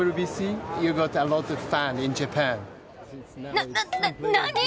な、な、な、何？